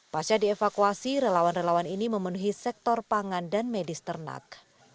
pasca dievakuasi relawan relawan ini memenuhi sektor pangan dan medis ternak